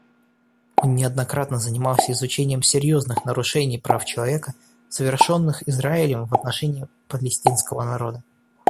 Он неоднократно занимался изучением серьезных нарушений прав человека, совершенных Израилем в отношении палестинского народа.